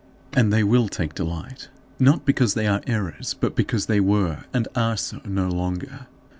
And they will take delight, not because they are errors, but because they were and are so no longer.